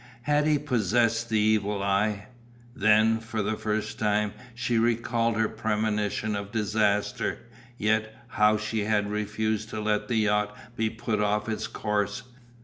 Had he possessed the evil eye? Then, for the first time, she recalled her premonition of disaster, yet, how she had refused to let the yacht be put off its course.